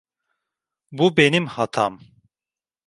Bu benim hatam.